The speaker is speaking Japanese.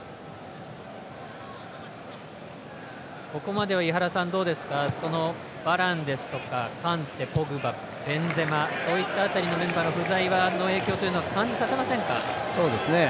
ここまではバランですとかカンテ、ポグバベンゼマ、そういった辺りのメンバーの不在の影響というのは感じさせませんか？